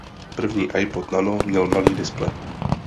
První iPod Nano měl malý displej.